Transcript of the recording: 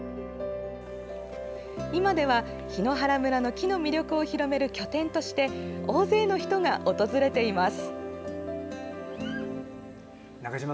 今では、檜原村の木の魅力を広める拠点として大勢の人が訪れています。